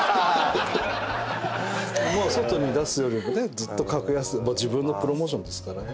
外に出すよりもねずっと格安まあ自分のプロモーションですからね。